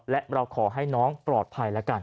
และเราขอให้น้องปลอดภัยแล้วกัน